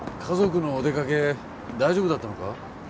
家族のお出かけ大丈夫だったのか？